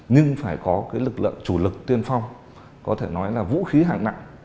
nhưng phải có lực lượng chủ lực tiên phong có thể nói là vũ khí hạng nặng